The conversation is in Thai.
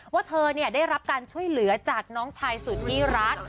ว่าเธอได้รับการช่วยเหลือจากน้องชายสุดที่รัก